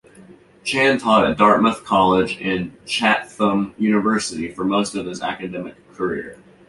Chan taught at Dartmouth College and Chatham University for most of his academic career.